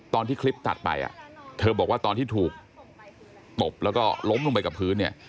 ตอนที่คลิปตัดไปเธอบอกว่าตอนที่ถูกตบแล้วก็ล้มลงไปกับพื้นเนี่ย